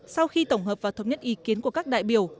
sau khi tổng hợp và thống nhất ý kiến của các đại biểu